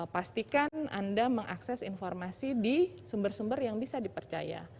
pastikan anda mengakses informasi di sumber sumber yang bisa dipercaya